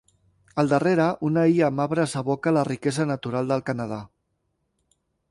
Al darrere, una illa amb arbres evoca la riquesa natural del Canadà.